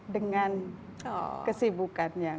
dengan kesibukan yang